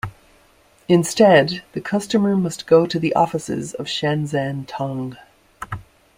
Instead, the customer must go to the offices of Shenzhen Tong.